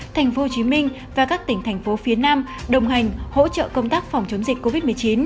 tp hcm và các tỉnh thành phố phía nam đồng hành hỗ trợ công tác phòng chống dịch covid một mươi chín